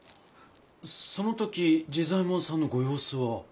そのとき治左衛門さんのご様子は？